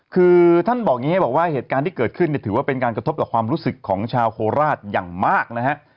คือท่านบอกอย่างนี้ให้บอกว่าเหตุการณ์ที่เกิดขึ้นถือว่าเป็นการกระทบต่อความรู้สึกของชาวโคราชอย่างมากนะฮะ